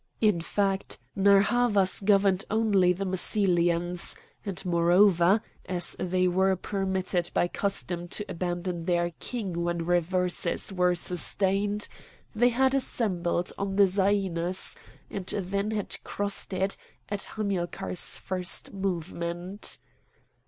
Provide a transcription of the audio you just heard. In fact, Narr' Havas governed only the Massylians; and, moreover, as they were permitted by custom to abandon their king when reverses were sustained, they had assembled on the Zainus, and then had crossed it at Hamilcar's first movement.